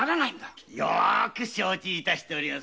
よく承知しております。